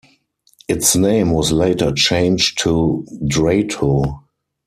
Its name was later changed to Drayto.